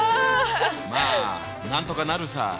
まあなんとかなるさ。